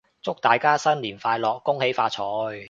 祝大家新年快樂！恭喜發財！